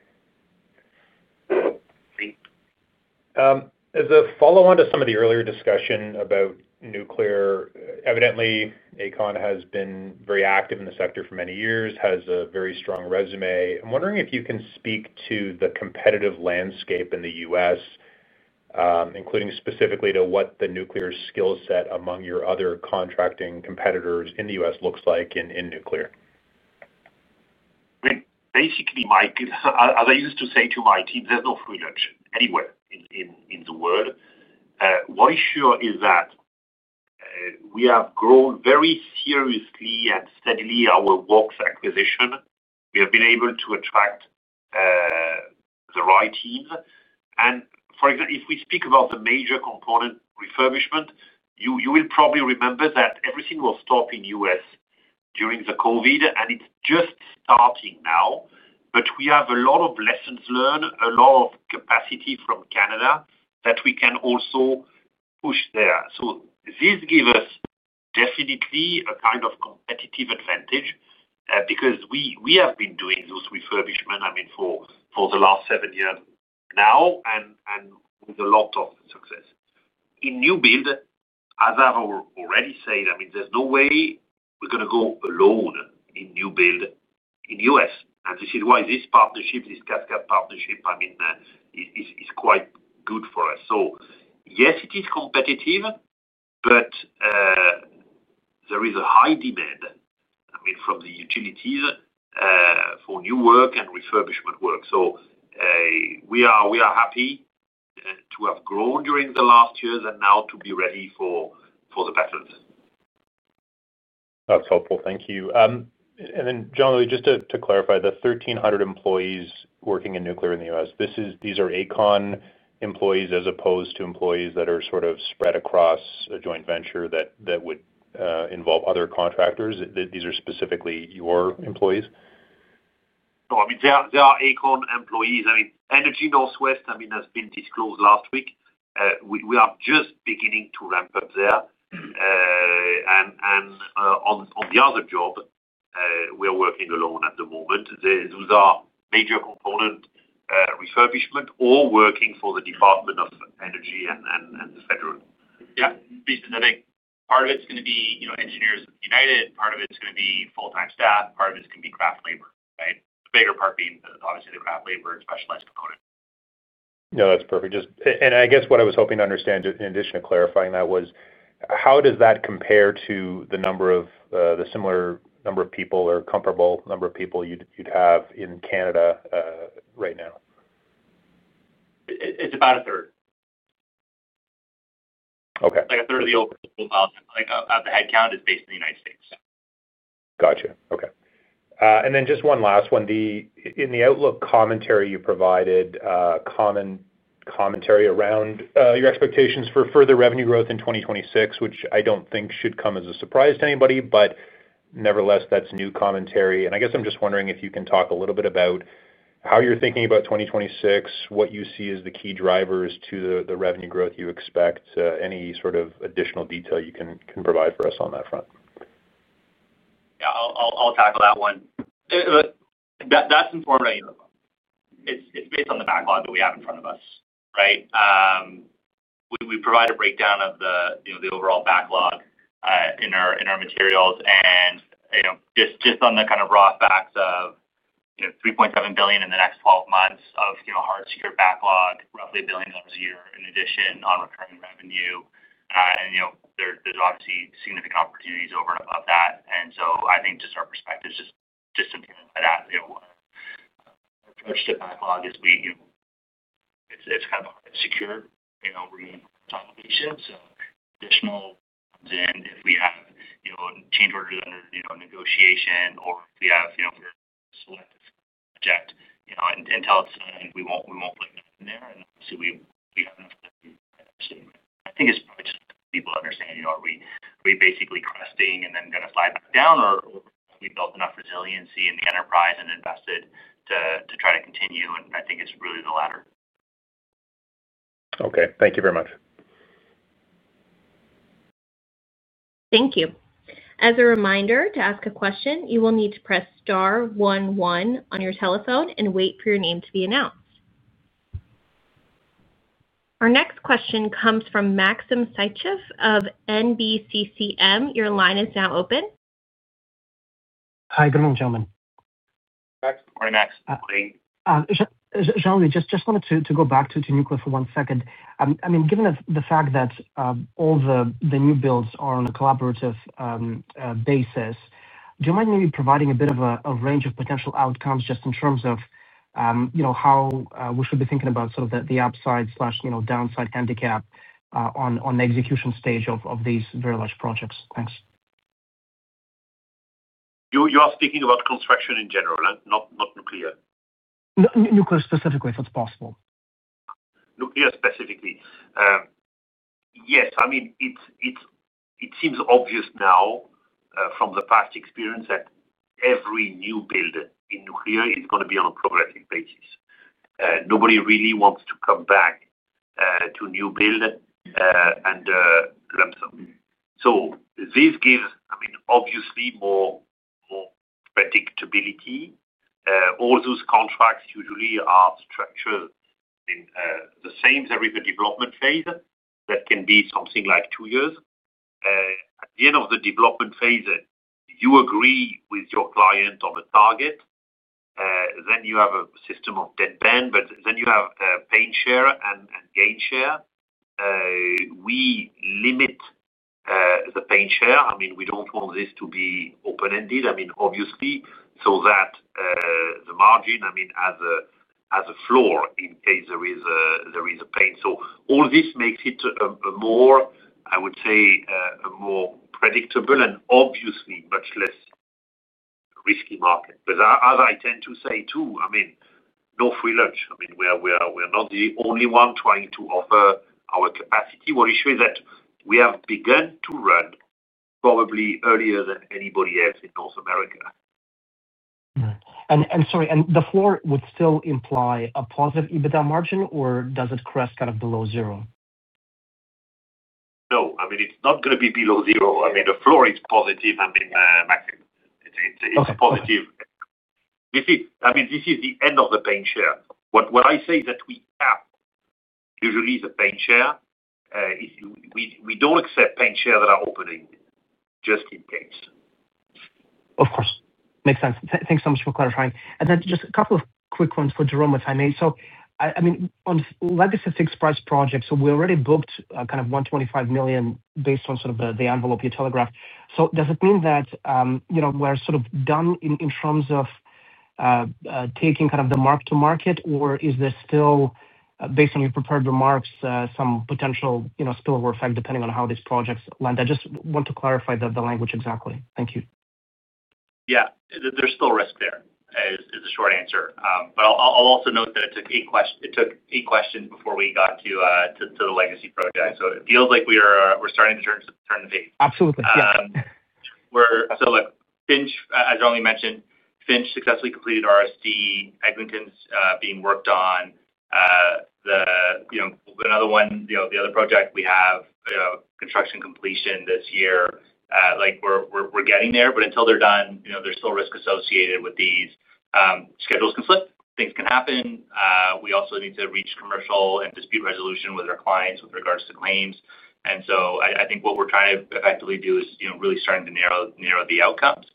As a follow on to some of the earlier discussion about nuclear, evidently Aecon has been very active in the sector for many years, has a very strong resume. I'm wondering if you can speak to the competitive landscape in the U.S., including specifically to what the nuclear skill set among your other contracting competitors in the U.S. looks like in nuclear. Basically, Mike, as I used to say to my team, there's no free lunch anywhere in the world. What is sure is that we have grown very seriously and steadily our works acquisition. We have been able to attract the right teams. For example, if we speak about the major component refurbishment, you will probably remember that everything stopped in the U.S. during COVID and it's just starting now. We have a lot of lessons learned, a lot of capacity from Canada that we can also push there. This gives us definitely a kind of competitive advantage because we have been doing those refurbishments, I mean, for the last seven years now and with a lot of success in new build, as I've already said. There's no way we're going to go alone in new build in the U.S. This is why this partnership, this Cascade Nuclear Partners partnership, is quite good for us. Yes, it is competitive, but there is a high demand from the utilities for new work and refurbishment work. We are happy to have grown during the last years and now to be ready for the battles. That's helpful, thank you. Jean-Louis, just to clarify, the 1,300 employees working in nuclear in the U.S., these are Aecon employees, as opposed to employees that are sort of spread across a joint venture that would involve other contractors. These are specifically your employees. They are Aecon employees. Energy Northwest has been disclosed last week. We are just beginning to ramp up there. On the other job, we are working alone at the moment. Those are major component refurbishment or working for the Department of Energy and the Federal. I think part of it's going. To be engineers united, part of it's going to be full-time staff, part of it's going to be craft labor. Right. The bigger part being, obviously, the craft labor and specialized component. No, that's perfect. I guess what I was hoping to understand in addition to clarifying that was how does that compare to the number or the similar number of people or comparable number of people you'd have in Canada right now? It's about a third. Okay, like a third of the overall profile of the headcount is based in the United States. Gotcha. Okay. One last one. In the outlook commentary, you provided commentary around your expectations for further revenue growth in 2026, which I don't think should come as a surprise to anybody, but nevertheless, that's new commentary. I guess I'm just wondering if you can talk a little bit about how you're thinking about 2026, what you see as the key drivers to the revenue growth, and if you expect any sort of additional detail you can provide for us on that front? Yeah, I'll tackle that one as that's informed. I look, it's based on the backlog. That we have in front of us. Right. We provide a breakdown of the overall backlog in our materials and, you know, just on the kind of raw facts of, you know, $3.7 billion in the next 12 months of, you know, hard secured backlog, roughly $1 billion a year in addition on recurring revenue, and, you know, there's obviously significant opportunities over and above that. I think just our perspective is just impaired by that. You know our approach to backlog is, you know, it's kind of hard. To secure, you know, we need to be patient. If we have, you know. Change orders under negotiation or. If we have select you. Until it's signed, we won't. Won't put that in there, and obviously we have enough. I think it's probably just people understanding, you know, are we basically cresting and then going to slide down, or we built enough resiliency in the enterprise and invested to try to continue. I think it's really the latter. Okay, thank you very much. Thank you. As a reminder, to ask a question, you will need to press star one one on your telephone and wait for your name to be announced. Our next question comes from Maxim Sytchev of [NBCCM]. Your line is now open. Hi, good morning, gentlemen. Morning Max. Jean. We just wanted to go back to nuclear for one second. I mean, given the fact that all the new builds are on a collaborative basis, do you mind maybe providing a bit of a range of potential outcomes just in terms of how we should be thinking about the upside/downside handicap on the execution stage of these very large projects. Thanks. You are speaking about construction in general, not nuclear. Nuclear specifically, if it's possible. Nuclear specifically, yes. I mean it seems obvious now from the past experience that every new build in nuclear is going to be on a progressive basis. Nobody really wants to come back to new build and lump sum. This gives, I mean, obviously more predictability. All those contracts usually are structured the same. There is a development phase that can be something like two years. At the end of the development phase, you agree with your client on the target. Then you have a system of dead band. You have pain share and gain share. We limit the pain share. We don't want this to be open ended, obviously, so that the margin has a floor in case there is pain. All this makes it more, I would say, more predictable and obviously a much less risky market. As I tend to say too, there is no free lunch. We are not the only one trying to offer our capacity. What you say is that we have begun to run probably earlier than anybody else in North America. Sorry, would the floor still imply a positive EBITDA margin, or does it crest kind of below zero? No, I mean it's not going to be below zero. The floor is positive. Maxim, this is the end of the pain share. What I say that we have usually is a pain share. We don't accept pain share that are opening just in case. Of course. Makes sense. Thanks so much for clarifying. Just a couple of quick ones for Jerome, if I may. On Levis fixed-price project, we already booked kind of $125 million based on sort of the envelope you telegraphed. Does it mean that we're sort of done in terms of taking kind of the mark to market, or is this still, based on your prepared remarks, some potential spillover effect depending on how these projects land? I just want to clarify the language. Exactly, thank you. Yeah, there's still risk. There is a short answer, but I'll also note that it took a question before we got to the legacy project. It feels like we are. Starting to turn the page. Absolutely. Yeah. We're so like Finch. As already mentioned, Finch successfully completed RSD. Eglinton's being worked on, the other project we have, construction completion this year. We're getting there, but until they're done, there's still risk associated with these. Schedules can slip, things can happen. We also need to reach commercial and dispute resolution with our clients with regards to claims. I think what we're trying to effectively do is really starting to narrow the outcomes.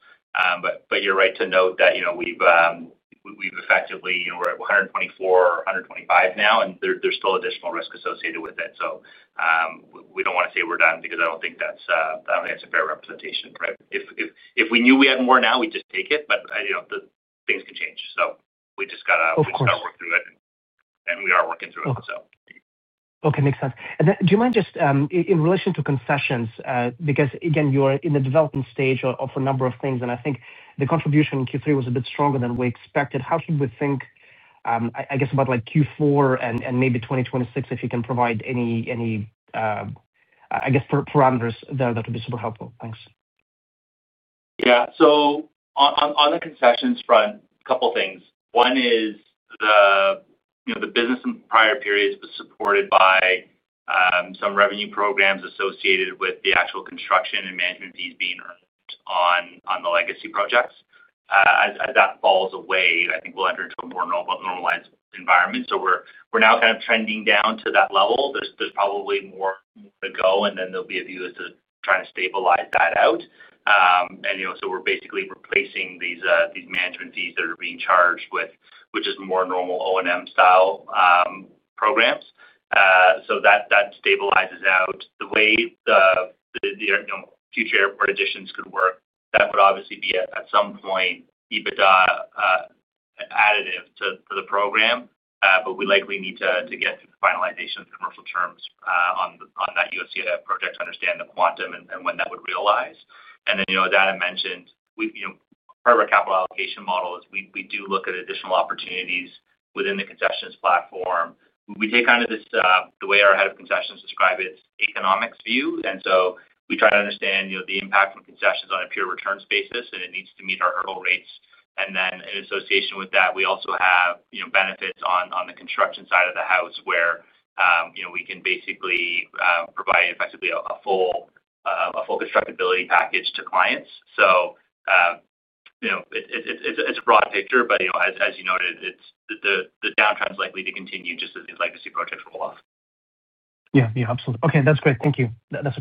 You're right to note that we've effectively, we're at $124 million, $125 million now and there's still additional risk associated with it. We don't want to say we're done because I don't think that's a fair representation. If we knew we had more now, we'd just take it. Things can change, so we just gotta work through it. We are working through it. Okay, makes sense. Do you mind just in relation to concessions, because again, you are in the development stage of a number of things and I think the contribution in Q3 was a bit stronger than we expected. How should we think, I guess, about Q4 and maybe 2026? If you can provide any, I guess, parameters there, that would be super helpful. Thanks. On the concessions front, a couple things. One is the business in prior periods was supported by some revenue programs associated with the actual construction and management fees being earned on the legacy projects. As that falls away, I think we'll enter to a more normalized environment. We're now kind of trending down to that level. There's probably more to go and then. There'll be a view as to trying. To stabilize that out. We're basically replacing these management fees that are being charged with what is more normal O&M style programs. That stabilizes out the way the future airport additions could work. That would obviously be at some point EBITDA additive to the program. We likely need to get finalization of commercial terms on that USCIF project to understand the quantum and when that would realize. As Adam mentioned, part of our capital allocation model is we do look at additional opportunities within the concessions platform. We take kind of the way our Head of Concessions describes its economics view. We try to understand the impact from concessions on a pure returns basis and it needs to meet our hurdle rates. In association with that, we also have benefits on the construction side of the house where we can basically provide effectively a full constructability package to clients. It's a broad picture, but as you noted, the downtrend is likely to continue just as these legacy projects roll off. Yeah, absolutely. Okay, that's great. Thank you. That's.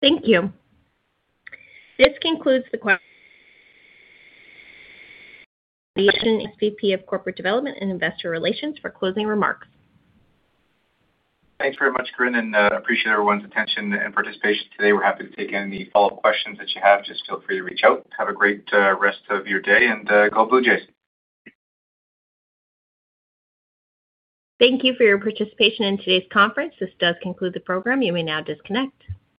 Thank you. This concludes the question. Senior Vice President of Corporate Development and Investor Relations for closing remarks. Thanks very much, Corinne, and appreciate everyone's attention and participation today. We're happy to take any follow-up questions that you have. Just feel free to reach out. Have a great rest of your day, and go Blue Jays. Thank you for your participation in today's conference. This does conclude the program. You may now disconnect.